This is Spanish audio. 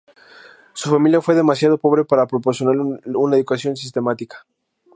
Su familia fue demasiado pobre para proporcionarle una educación sistemática.